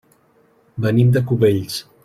Venim de Cubells.